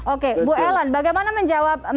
oke bu ellen bagaimana menjawab